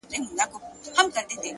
خپل فکرونه د عمل لور ته بوځئ!